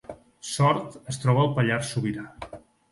Sort es troba al Pallars Sobirà